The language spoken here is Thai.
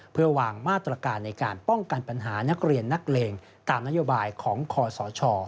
เพื่อวางมาตรการในการป้องกันปัญหานักเรียนนักเลงตามนโยบายของคอสช